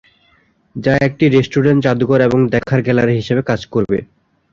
যা একটি রেস্টুরেন্ট, যাদুঘর, এবং দেখার গ্যালারি হিসাবে কাজ করবে।